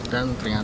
dan terima kasih